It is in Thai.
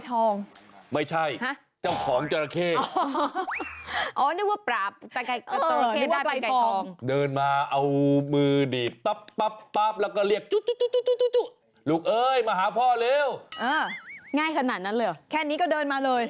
ตั้งจุลูกเอ้ยมาหาพ่อเร็วง่ายขนาดนั้นแล้วแค่นี้ก็เดินมาเลย